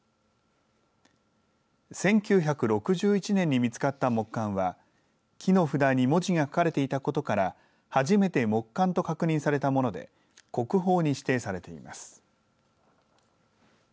１９６１年に見つかった木簡は木の札に文字が書かれていたことから初めて木簡と確認されたもので国宝に指定されています。